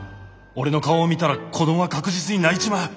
俺の顔を見たら子どもは確実に泣いちまう。